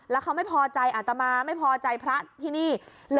แล้วเขาไม่พอใจอาตมาไม่พอใจพระที่นี่